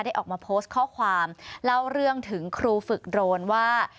ออกมาโพสต์ข้อความเล่าเรื่องถึงครูฝึกโดรนว่า